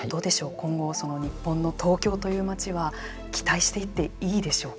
今後、その日本の東京という街は期待していって、いいでしょうか。